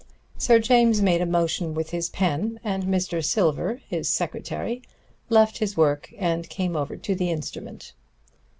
Sir James made a motion with his pen, and Mr. Silver, his secretary, left his work and came over to the instrument.